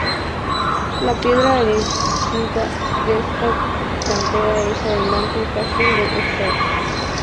La piedra arenisca de esta cantera es abundante y fácil de extraer.